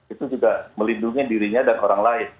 itu juga melindungi dirinya dan orang lain